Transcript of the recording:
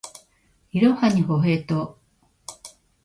いろはにほへと